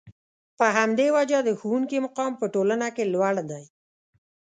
په همدې وجه د ښوونکي مقام په ټولنه کې لوړ دی.